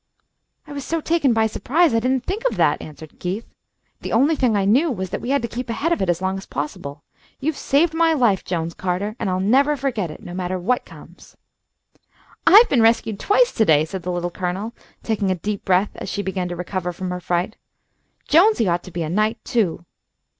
"I was so taken by surprise I didn't think of that," answered Keith. "The only thing I knew was that we had to keep ahead of it as long as possible. You've saved my life, Jones Carter, and I'll never forget it, no matter what comes," "I've been rescued twice to day," said the Little Colonel, taking a deep breath as she began to recover from her fright. "Jonesy ought to be a knight, too."